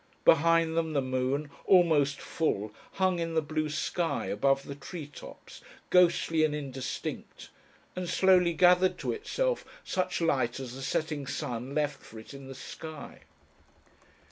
Behind them the moon, almost full, hung in the blue sky above the tree tops, ghostly and indistinct, and slowly gathered to itself such light as the setting sun left for it in the sky.